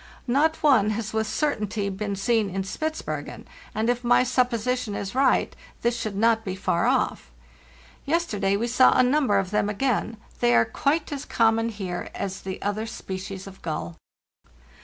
Not one has with cer tainty been seen in Spitzbergen, and if my supposition is right, this should not be far off. Yesterday we saw a number of them again; they are quite as common here as the other species of gull.